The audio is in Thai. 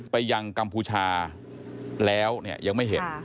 ไปยังกัมพูชาแล้วเนี่ยยังไม่เห็น